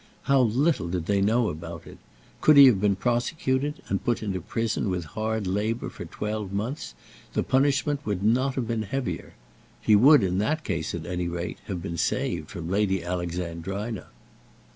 How little did they know about it! Could he have been prosecuted and put into prison, with hard labour, for twelve months, the punishment would not have been heavier. He would, in that case, at any rate, have been saved from Lady Alexandrina.